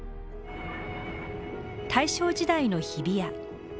大正時代の日比谷。